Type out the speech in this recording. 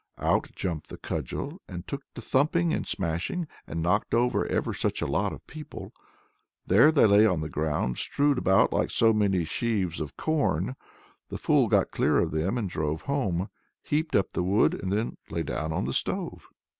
Out jumped the cudgel, and took to thumping and smashing, and knocked over ever such a lot of people. There they lay on the ground, strewed about like so many sheaves of corn. The fool got clear of them and drove home, heaped up the wood, and then lay down on the stove.